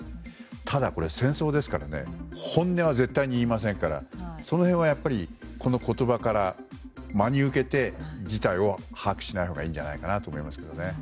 ただ、これは戦争ですから本音は絶対に言いませんからその辺はやっぱりこの言葉を真に受けて事態を把握しないほうがいいんじゃないかなと思います。